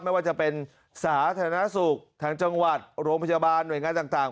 ไม่ว่าจะเป็นสาธารณสุขทางจังหวัดโรงพยาบาลหน่วยงานต่าง